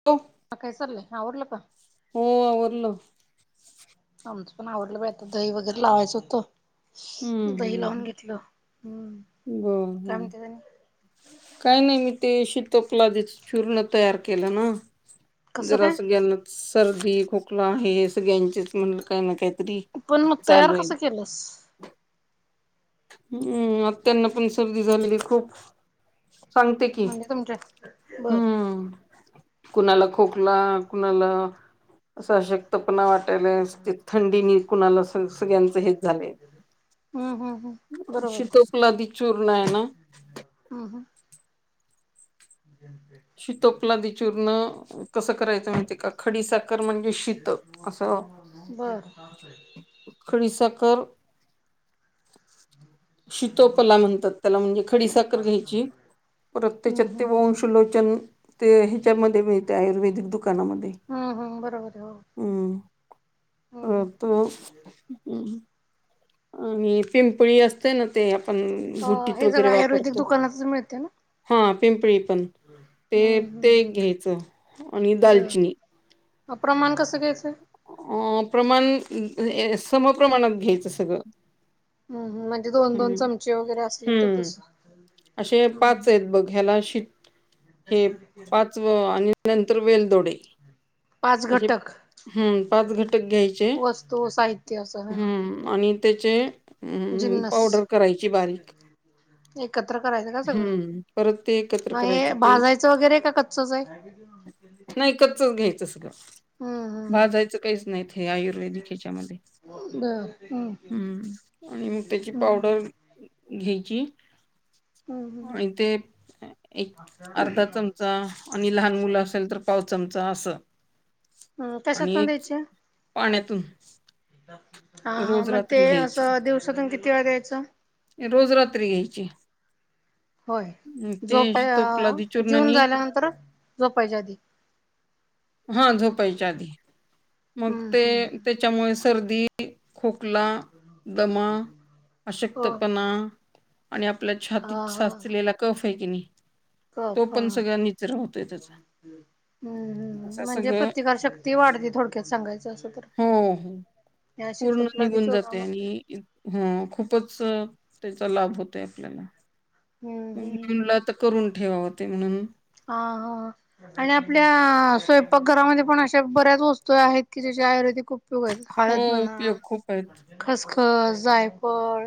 [unintelligible] ह काय चाललंय, आवरल का? हो, आवरल. आमचं पण आवरलं बाई आता, दही वगैर लावायचं हम्म होतं. दही लावून हम्म घेतलं, हम बर काय बर म्हणत्यात? [unintelligible] काही नाही, मी ते शतोपलादी चूर्ण तयार केलं ना? कसं जरा काय? सगळ्यांना सरदी खोकला हे सगळ्यांचेच म्हणलं, काय ना काहीतरी पण मग तयार चालू आहे. कसं केलंस? हम्म! आता त्यांना पण सर्दी झालेली खूप सांगते की, म्हणजे तुमच्या बर हम्म! कुणाला खोकला कुणाला? [unintelligible] वाटायला ते थंडी नि कुणाला सगळ्यांच हेच झालंय. हम्म हम्म हम्म शितोपलादी चूर्ण आहे. ना हो, ह. [unintelligible] शितोपलादी चूर्ण कसं करायचं, माहितीय का? खडी साखर म्हणजे शितप बरं. खडी साखर शितोपला म्हणतात, त्याला म्हणजे खडी साखर घ्यायची प्रत्यचत्य हम्म वंशलोचन ते ह्याच्यामध्ये मिळते, आयुर्वेदिक दुकानामध्ये. हम्म हम्म बरोबर हो, हम्म हम्म हम्म! परत [unintelligible] आणि पिंपळी असते, ना ते आपण घुटीत हे सगळं वगैरे आयुर्वेदिक वापरतो. दुकानातच मिळते ना? हा पिंपळी पण ते हम्म ते एक हम्म घ्यायचं, आणि दालचिनी. बर प्रमाण कसं घ्यायचे? अ प्रमाण सम प्रमाणात घ्यायचं, सगळं. हम म्हणजे, दोन दोन हम्म चमचे वगैरे असलं तर हम्म तसं असे हम्म पाच आहेत, हम्म. बघ ह्याला शी [unintelligible] पाचवं आणि नंतर वेलदोडे. पाच घटक. हम पाच घटक घ्यायचे, वस्तू साहित्य असं हा हम आणि त्याचे अं, [unintelligible] पावडर करायची बारीक. एकत्र करायचं का, सगळं हं, परत ते एकत्र मग हे करायची ते भाजायचं वगैरे का कच्चच आहे? नाही, कच्चच घ्यायचं सगळं. हम्म भाजायचं काहीच नाहीत हे आयुर्वेदिक ह्याच्यामध्ये. हम्म बर हम्म हम्म आणि मग त्याची हम्म पावडर घ्यायची? हम्म हम्म आणि ते एक अर्धा चमचा आणि लहान मुलं असेल तर, पाव चमचा असं कशात आणि ना एक द्यायचे पाण्यातून हा, हा रोज मग ते रात्री घ्यायची. असं दिवसातून किती वेळा द्यायचं. रोज रात्री घ्यायची. होय, अं, ते झोप अ तोपलादी जेऊन चूर्णनी झाल्यानंतर झोपायच्या आधी. हा झोपायच्या आधी मग हम्म ते हम्म त्याच्यामुळे सर्दी खोकला, दमा, हो अशक्तपणा आणि आपल्या हा छातीत हा साचलेला कफ आहे की नाही तो कफ हा पण सगळ निचरा होतोय त्याचा हम्म असं हम्म म्हणजे सगळं प्रतिकारशक्ती वाढते थोडक्यात सांगायचं असं तर हो हो या पूर्ण शीतोपलादी निघून जाते चूर्णामुळे आणि हम्म खूपच त्याचा लाभ होतय आपल्याला. हम्म मग हम्म म्हणला तर करून ठेवावते म्हणून आ हा. आणि आपल्या स्वयंपाक घरामध्ये पण अशा बऱ्याच वस्तू आहेत की ज्याच्या आयुर्वेदिक खूप [unintelligible] हो हळद म्हणा उपयोग खूप आहेत खसखस, जायफळ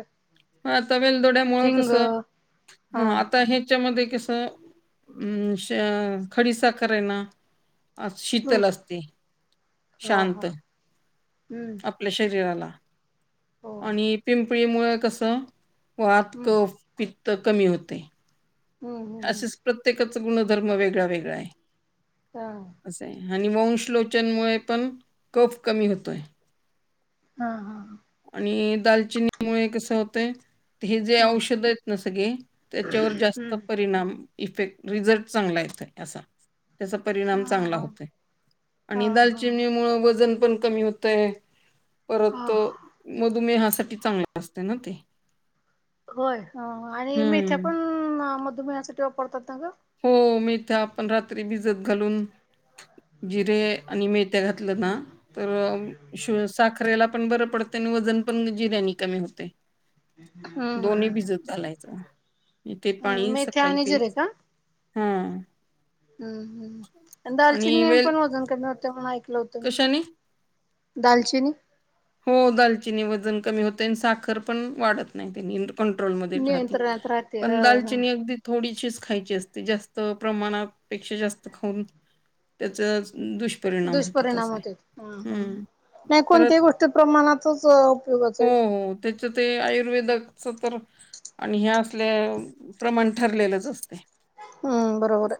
हा तवेल दोड्यामुळ हिंग कसं हा आता हे त्याच्यामध्ये कसं अ श खडीसाखर आहेना अस शीतल असते हा हा शांत हम्म. आपल्या शरीराला हो आणि पिंपळी मुळं कसं वाात, हम्म कफ, पित्त कमी होते. हम्म हम्म हम्म असेच प्रत्येकाचा गुणधर्म वेगळा वेगळा आहे. हा. असं आहे आणि वंशलोचनमुळे पण कफ कमी होतोय. हा हा हा. आणि दालचिनी मुळे कसं होतंय हे जे हम्म औषध आहेत ना सगळे त्याच्यावर जास्त हम्म परिणाम इफेक्ट रिझल्ट चांगला येतोय असा. त्याचा परिणाम हा चांगला हा होतोय हा आणि हा दालचिनी हा. मुळं वजन पण कमी होत तय हे परत हा तो मधुमेहासाठी चांगला असते ना ते. होय आणि मेथ्या हम्म. पण मधुमेहासाठी वापरतात ना ग? हो मेथ्या आपण रात्री भिजत घालून जिरे आणि मेथ्या घातलं ना तर अ शु साख रेला पण बरं पडते आणि वजन पण जिऱ्यानी कमी होते. हम्म दोन्ही हम्म. भिजत चालायचा ते पाणी मेथी सकाळी आणि पियाय जिरे का हा. हम्म हम्म आणि दालचिनी पण वजन कमी होते म्हणून ऐकलं होतं मी. कशाने? दालचिनी हो दालचिनी वजन कमी होते आणि साखर पण वाढत नाही त्यांनी कंट्रोलमध्ये राहती नियंत्रणात राहते ह पण ह दालचिनी अगदी थोडीशीच खायची असते जास्त प्रमाणापेक्षा जास्त खाऊन त्याचास दुष् दुष्परिणामात येतो हा हा नाही कोणत्याही परत गोष्टी प्रमाणातच उपयोगाच आहे. त्याच्या ते आयुर्वेदकच तर आणि हे असले प्रमाण ठरलेलंच असते. हम्म, बरोबर आहे.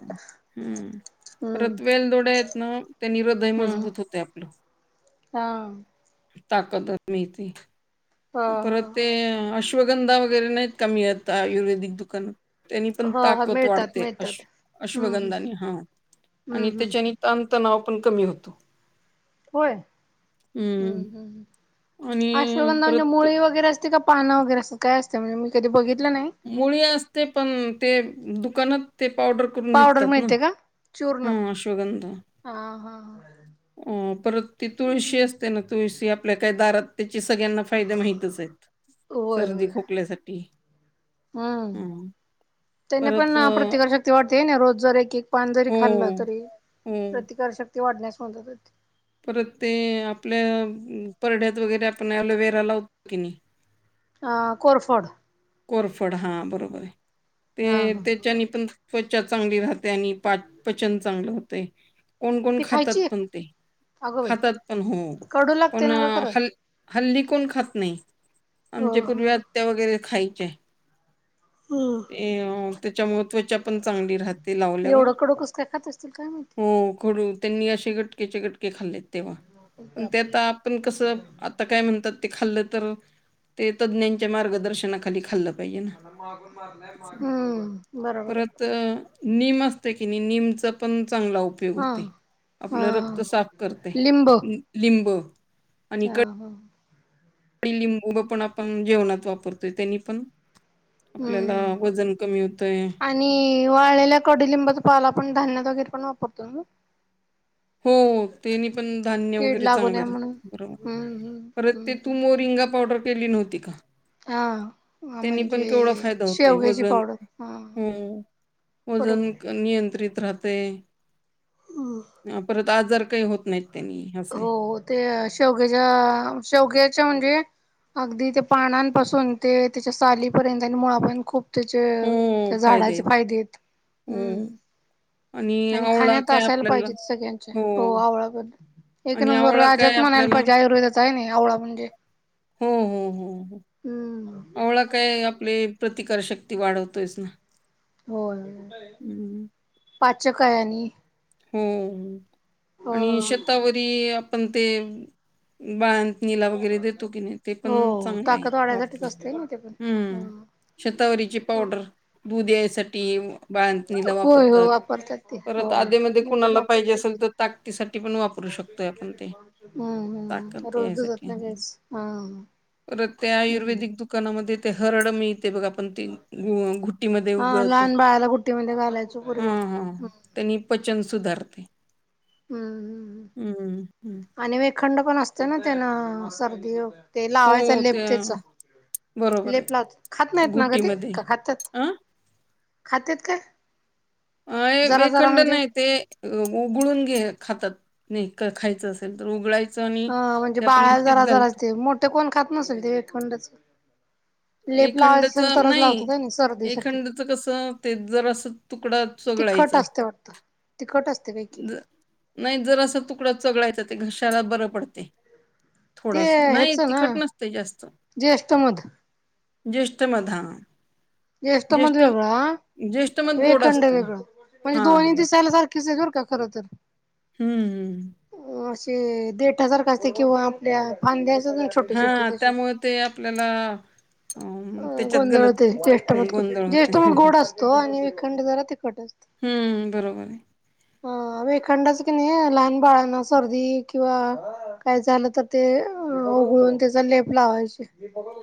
हम्म. हम्म परत वेलदोड्या आहेत ना त्यांनी हृदय हम्म मजबूत होते आपलं. हा. ताकत मिळती. ह परत ते ह अश्वगंधा वगैरे नाहीत काय मिळत आयुर्वेदिक दुकाना त्यांनी पण ह ह ताकद मिळतात वाढते मिळतात अश् हम्म हम्म अश्वगंधाने हा आणि हम्म हम्म त्याच्या नी तण तणाव पण कमी होतो. होय हम्म हम्म आणि अश्वगंधा म्हणजे परत मूळ वगैरे असते का पाण वगैरे असं काय असते म्हणजे मी कधी बघितलं नाही. मुळी असते पण ते दुकानात ते पावडर करून पावडर विकतात ना मिळते का चूर्ण ह अश्वगंधा हा हा अ परत ती तुळशी असते ना तुळशी आपल्या काय दारात त्याचे सगळ्यांना फायदे माहितच आहेत होय सर्दी होय खोकल्यासाठी हम्म हं. त्याने पण परत अ, प्रत वर्ष शती वाटते ना रोज जर एक एक पान जरी हो, खाल्लं तरी हो. प्रतिकारशक्ती वाढण्यास म्हणतात परत ते आपल्या परड्यात वगैरे आपण अलोवेरा लावतो की नाही कोरफोड कोरफड हा बरोबर ते हा हा तेच्यानी पण स्वच्छ चांगली राहते आणि पा पचन चांगलं होते कोण कोण ती खातात खायची पण ते अगं बाई खातात पण हो कडू लागते पण ना ग खरं हल् हल्ली कोण खात नाही हो आमच्या हो पूर्वी आत्या वगैरे खायच्या हम्म ते त्याच्या त्वच्या पण चांगली राहते लावल्यावर एवढं कडू कस काय खात असतील काय हो माहिती खड त्यांनी असे गटकेचे गटके खाल्लेत तेव्हा पण ते बापरे आता आपण कसं आता काय म्हणतात ते खाल्लं तर ते तज्ज्ञांच्या मार्गदर्शनाखाली खाल् पाहिजे ना. हम्म बरोबर तर निम असते की नाही निमचा पण चांगला उपयोग उपयोग हा होते हा आपलं रक्त साफ करते लिंब ह ह आणि लिंबू पण आपण जेवणात वापरतोय त्यांनी पण आपल्याला हम्म वजन कमी होतय आणि वाळलेल्या कडलिंबाचा पाला आपण धान्यत वगैरे पण वापरतो ना हो तेनी पण धान्य कीड वगैरे लागू नये चांगलं राहत म्हणून बरोबर हम्म हम्म परत हम्म ते तू हम्म मोरिंगा पावडर केली नव्हती का हा त्यांनी म्हणजे पण केवढा फायदा होतोय शेवग्याची वजन पावडर हा हो वजन बरोबर आहे. नियंत्रित राहते परत आजार काही होत नाहीत त्यांनी असं आहे. हो ते शेवग्याच्या शेवग्याच्या म्हणजे अगदी त्या पानांपासून ते त्याच्या सालीपर्यंत आणि मुळापर्यंत खूप हो त्याच्या त्या फायदे झाडाचे आहेत. फायदेत हम्म हो आणि आवळा खाण्यात काय असायला आपल्याला पाहिजे सगळ्यांच्या हो आवळबद्दल एक आणि नंबर आवळा काय राजाचं म्हणायला आपल्याला पाहिजे आयुर्वेदाचा नाही नाही आवळा म्हणजे हो, हो, हो, हो. हम् आवळा काय आपले प्रतिकार शक्ती वाढवतोयच ना पाचकायनी हो आणि हो शतावरी आपण ते बाळंतनिला वगैरे देतो की नाही ते पण हो चांगलं आहे ताकद वाढायसाठीच वापरून असते ना ते पण हम्म शतावरीची हो. पावडर दूध यायसाठी बाळतनीला होय हो वापरतात वापरतात ते परत होय आधीमध्ये मी पण कुणाला पाहिजे वापरलेली असेल तर ताकतीसाठी पण वापरू शकतोय आपण ते ताकद यासाठी लगेच हो हो. तर त्या आयुर्वेदिक दुकानामध्ये ते हरड मिळते बघा पण त घुट्टीमध्ये हा उगळतो. लहान बाळाला गुट्टीमध्ये घालायचो पूर्वी हम हम. हम्म त्यांनी पचन सुधारते. हम्म हम्म हम्म. ह् आणि वेखंड पण असते ना त्यांन सर्दी ते लावायचा हो लेप त्या त्याचा. बरोबर लेप आहे लावतात खात नाहीत ना गं ते घुटीमध्ये का खातात हा खातेत काय? अ जरा जरा वेखंड म्हणजे नाही ते उगाळून घे खातात नाही खायचं असेल तर उगळायचं. अ म्हणजे बाळा जरा जरा अस ते मोठे कोण खात नसेल ते एकंडच लेप लावाय असेल तरच लावतो का नाही सर्दीसाठी. एखंडचं कसं ते जरासा तुकडा तिखट चोगळायचा. असते वाटत तिखट असते काय की. ज नाही जर असं तुकडा चगळायचा ते घशायला बरं पडते, थोडास नाही तिखट नसत जास्त ज्येषठ मध ज्येष्ठमध हा ज्येष्ठमध वेगळं ह ज्येष्ठमध गोड वेखंड असतोय. वेगळं म्हणजे दोन्ही हां. दिसायला सारखं किस आहे कर का खर तर. हम्म हम्. अ असे देट सारखा असते किंवा आपल्या फांद्याच हा त्यामुळे ते आपल्याला अ अ त्याच्यात गोंधळ गलत होते ज्येष्ठ गोंधळ होते. ज्येष्ठ म गोड असतो आणि विखंड जरा तिखट असतो. हं, बरोबर आहे. ह वेखंडच की नाही लहान बाळांना सर्दी किंवा काय झालं तर ते उघळून त्याचा लेप लावायची.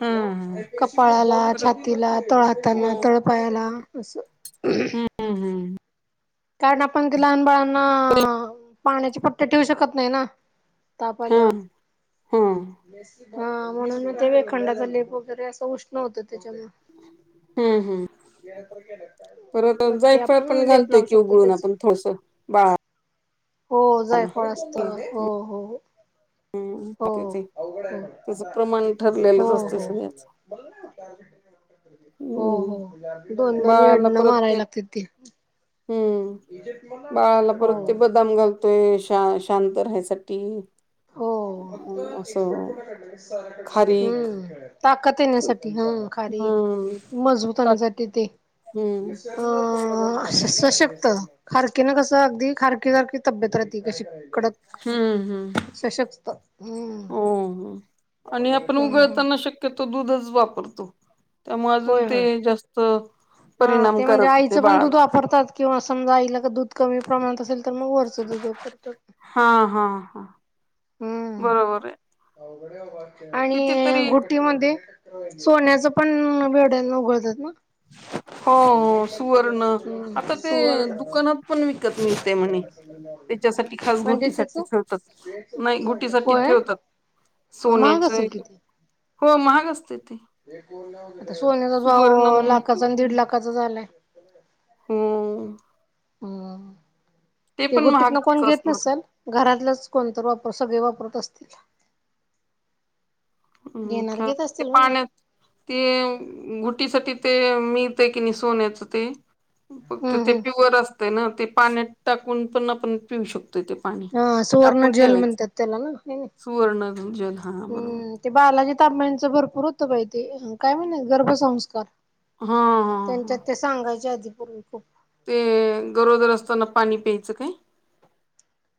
हा हा. कपाळाला परत छातीला तळ हो हाताना तळ उपायाला असं. हम्म हम् हम्. कारण आपण त लहान बाळांना पाण्याचे पट्टे ठेवू शकत नाही ना. ताप आल्यावर. हम्म हा हा. हा म्हणून म ते वेखंडाचा लेप वगैरे असं उष्ण होत त्याच्यामु हम्म हम्म मग ते आपण लेप लावू शकतो. उगाळून त्याचा. आपण थोडस बा हो जायफळ असत हो हो. हो, हम्म ते हो, त्याच प्रमाण ठरलेलंच असते हो. सगळ्याच. हो, हम्म हो दोन दोन बाळाला वडनं परत मारायला लागते ते. हम्म! बाळाला परत ते बदाम घालत ते श शांत राहायसाठी. हो! अ असं खारीक हम्म! ताकद येण्यासाठी हा खारीक हम्म. मजबूत हम्म होण्यासाठी ते [inaudible] [unintelligible] खारकीे ना कसं अगदी खारकी सारखी तब्येत राहती कशी कडक हम्म! हम्! सशक्त हम्म. हो, हो आणि आपण द्या. उगाळताना शक तो दूधच वापरतो त्यामुळे अजून होय ते होय. जास्त हा ते म्हणजे परिणामकारक होते आईचं पण दूध बाळाला वापरतात. किंवा समजा आईला का दूध कमी प्रमाणात असेल तर मग वरचं दूध वापरतो. हा हा हा हम्म. बरोबर आहे. आणि कितीतरी गु ी म सोन्याच पण भेड्याला उघडतात ना, हो सुवर्ण हम्म आता ते सुवर्ण दुकानात पण विकत मी ते म्हणे त्याच्यासाठी खास म्हणजे त्याच गोटीसाठी खेळतात. नाही गुटीसाठी होय ठेवतात महाग सोन्याचे असेल किती? हो महाग असते तेे आता सोन्याचा भाव म्हणून लाखाचा आणि दीड लाखाचा झालाय, हम्म हम्म ते पण गो्टीत ना महागच कोण घेत असणार नसेल? घरातलंच कोणत वापर सगळे वापरत असतील हम्म घेणार घेत ते असतील म्हणा. पाण्यात ते गुटीसाठीठी ते मिळत आहे की नाही सोन्याचं ते फक्त हम्म ते हम्म प्युअर असतं ना ते पाण्यात टाकून पण आपण पिऊ शकतोय ते पाणी हा सुवर्ण टाकून जल ठेवायचं म्हणतात त्याला ना हे ना. सुवर्ण दज हा बरोबर हम्म ते बालाजी तांबांचं भरपूर होतं पाहिे काय म्हण गर्भसंस्कार हा हा हा. त्यांच्यात ते सांगायच्या आधी पूर्वी खूप ते गरोदर असताना पाणी प्यायचं काय?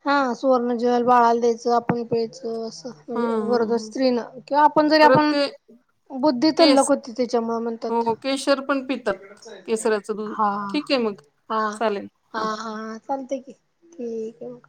हा सुवर्ण जल बाळाला द्यायचं आपण प्यायचं असं. हा म्हणजे हा गरोदर हा स्त्रीन किंवा आपण जरी परत आपण ते बुद्धी तल्लक केस होती त्याच्यामुळ म्हणतात. हो केशर पण पितात केसराचं [unintelligible] दूध हा. ठीक आहे मग हा चालेल. हा -हा चालतय की ठीक आहे मगं.